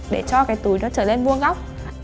để cho cái túi nó trở lên vuông góc